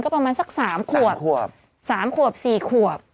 ก็ประมาณสัก๓ขวบ๓๔ขวบ